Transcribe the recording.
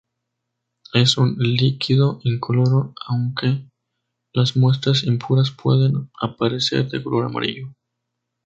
Es un líquido incoloro, aunque las muestras impuras pueden aparecer de color amarillo.